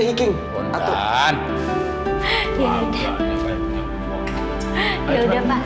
ya udah pak